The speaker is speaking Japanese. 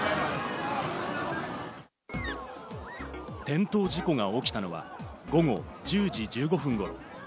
転倒事故が起きたのは午後１０時１５分頃。